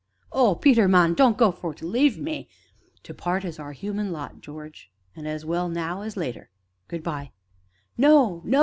"Oh, Peter, man! don't go for to leave me " "To part is our human lot, George, and as well now as later good by!" "No, no!"